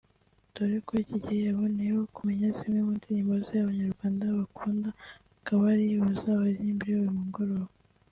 dore ko icyo gihe yaboneyeho kumenya zimwe mu ndirimbo ze Abanyarwanda bakunda akaba ari buzibaririmbire uyu mugoroba